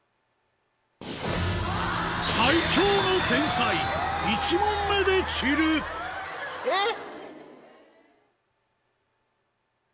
最強の天才１問目で散るえっ？